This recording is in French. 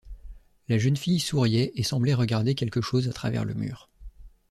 La jeune fille souriait et semblait regarder quelque chose à travers le mur.